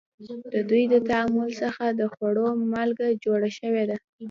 د دوی د تعامل څخه د خوړو مالګه جوړه شوې ده.